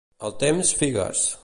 Al temps, figues.